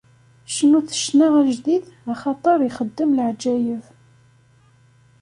Cnut ccna ajdid, axaṭer ixeddem leɛǧayeb.